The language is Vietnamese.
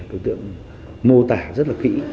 đối tượng mô tả rất là kĩ